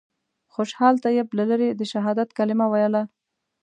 خوشحال طیب له لرې د شهادت کلمه ویله.